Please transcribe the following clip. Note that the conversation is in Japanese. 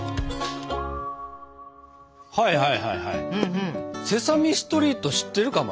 はいはいはいはい「セサミストリート」知ってる？